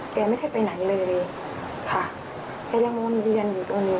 แกไม่ได้ไปไหนเลยค่ะแกยังวนเวียนอยู่ตรงนี้